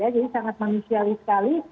jadi sangat manusial sekali